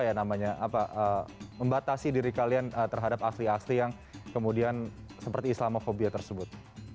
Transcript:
ya namanya apa membatasi diri kalian terhadap asli asli yang kemudian seperti islamofobia tersebut